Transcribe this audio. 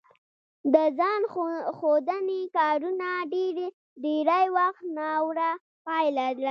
د ځان ښودنې کارونه ډېری وخت ناوړه پایله لري